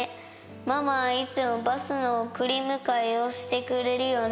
ママはいつもバスの送り迎えをしてくれるよね。